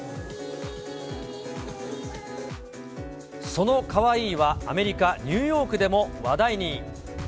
そのカワイイは、アメリカ・ニューヨークでも話題に。